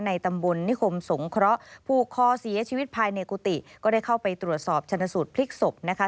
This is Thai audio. ตำบลนิคมสงเคราะห์ผูกคอเสียชีวิตภายในกุฏิก็ได้เข้าไปตรวจสอบชนสูตรพลิกศพนะคะ